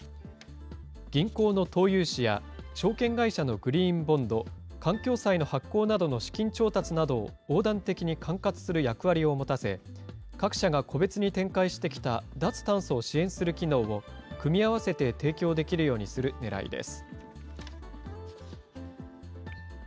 銀行の投融資や、証券会社のグリーンボンド・環境債の発行などの資金調達などを横断的に管轄する役割を持たせ、各社が個別に展開してきた脱炭素を支援する機能を組み合わせて提供できるようにするねらいです。